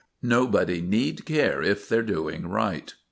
Nobody need care if they are doing right.